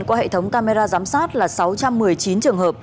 qua hệ thống camera giám sát là sáu trăm một mươi chín triệu